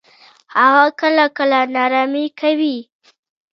هغه کله کله ناړامي کوي.